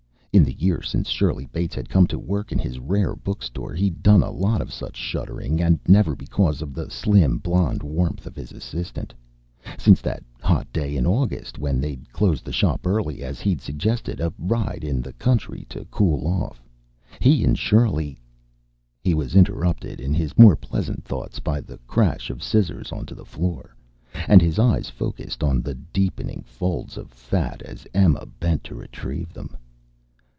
In the year since Shirley Bates had come to work in his rare book store, he'd done a lot of such shuddering, and never because of the slim blonde warmth of his assistant. Since that hot day in August when they'd closed the shop early and he'd suggested a ride in the country to cool off, he and Shirley.... He was interrupted in his more pleasant thoughts by the crash of scissors onto the floor, and his eyes focussed on the deepening folds of fat as Emma bent to retrieve them.